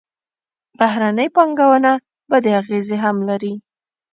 بهرنۍ پانګونه بدې اغېزې هم لري.